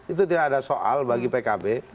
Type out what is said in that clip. itu tidak ada soal bagi pkb